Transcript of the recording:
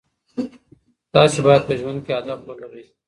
تاسي باید په ژوند کي هدف ولرئ.